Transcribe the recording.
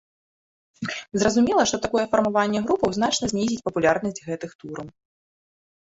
Зразумела, што такое фармаванне групаў значна знізіць папулярнасць гэтых тураў.